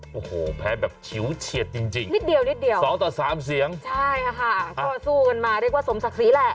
โอ้โหแพ้แบบฉิวเฉียดจริงจริงนิดเดียวนิดเดียวสองต่อสามเสียงใช่ค่ะก็สู้กันมาเรียกว่าสมศักดิ์ศรีแหละ